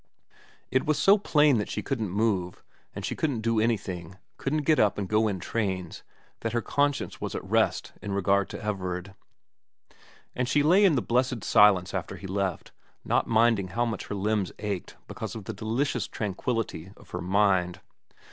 It was so plain that she couldn't move, that she couldn't do anything, couldn't get up and go in trains, that her conscience was at rest 292 VERA in regard to Everard ; and she lay in the blessed silence after he left, not minding how much her limbs ached because of the delicious tranquillity of her mind.